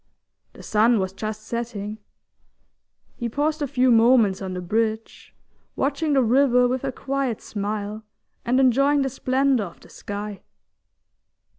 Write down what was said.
The sun was just setting; he paused a few moments on the bridge, watching the river with a quiet smile, and enjoying the splendour of the sky.